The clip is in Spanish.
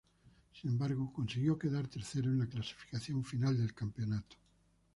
Sin embargo consiguió quedar tercero en la clasificación final del campeonato.